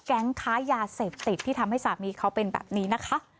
แก๊งค้ายาเสพติดที่ทำให้สามีเขาเป็นแบบนี้นะคะ